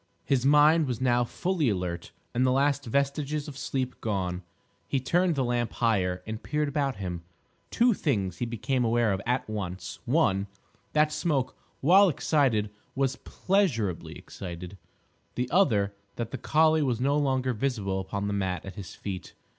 His mind was now fully alert, and the last vestiges of sleep gone. He turned the lamp higher and peered about him. Two things he became aware of at once: one, that Smoke, while excited, was pleasurably excited; the other, that the collie was no longer visible upon the mat at his feet.